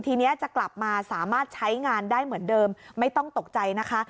ทีนี้จะกลับมาสามารถใช้งานได้เหมือนเดิมไม่ต้องตกใจนะคะ